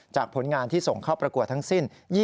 ผลงานที่ส่งเข้าประกวดทั้งสิ้น